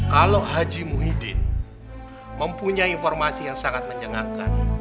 kalau haji muhyiddin mempunyai informasi yang sangat menyenangkan